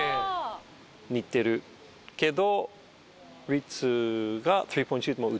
似てるけど。